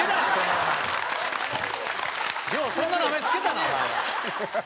ようそんな名前付けたなお前。